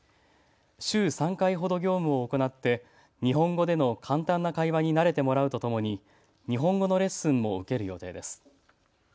週３回ほど業務を行って日本語での簡単な会話に慣れてもらうとともに日本語のレッスンも受ける予定です。